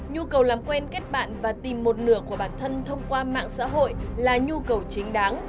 nhu cầu làm quen kết bạn và tìm một nửa của bản thân thông qua mạng xã hội là nhu cầu chính đáng